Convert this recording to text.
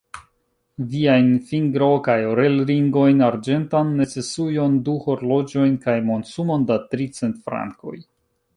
Viajn fingro- kaj orel-ringojn, arĝentan necesujon, du horloĝojn kaj monsumon da tricent frankoj.